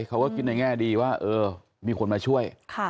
เขาก็คิดในแง่ดีว่าเออมีคนมาช่วย